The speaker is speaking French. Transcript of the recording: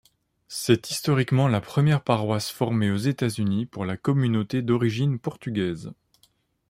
C'est historiquement la première paroisse formée aux États-Unis pour la communauté d'origine portugaise.